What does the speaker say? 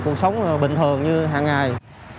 cuộc sống bình thường như hằng ngày